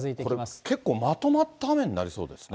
これ、結構まとまった雨になりそうですね。